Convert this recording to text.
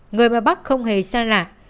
người mà bác không hề sai lạ